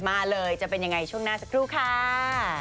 มาเลยจะเป็นยังไงช่วงหน้าสักครู่ค่ะ